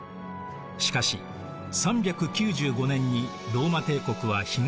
しかし３９５年にローマ帝国は東と西に分裂。